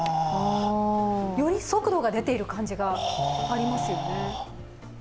より速度が出ている感じがありますよね。